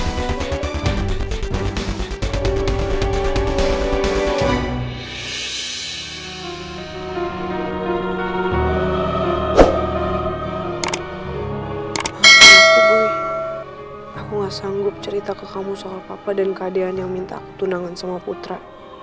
maafin aku boy aku gak sanggup cerita ke kamu soal papa dan kak dian yang minta aku tunangan sama putra